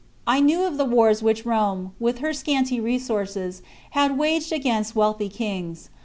I knew of the wars which Rome, with her scanty resources, had waged against wealthy kings.